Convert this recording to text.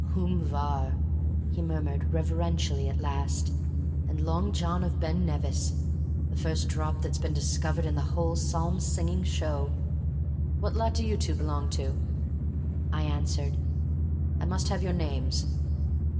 "Uam Var!" he murmured reverentially at last. "And Long John of Ben Nevis! The first drop that's been discovered in the whole psalm singing show! What lot do you two belong to?" I answered. "I must have your names."